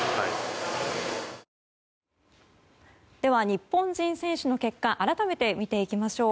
日本人選手の結果改めて見ていきましょう。